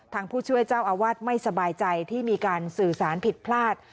ผู้ช่วยเจ้าอาวาสไม่สบายใจที่มีการสื่อสารผิดพลาด